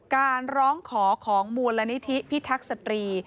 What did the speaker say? การร้องขอของมูลนิธิพิทักษตรี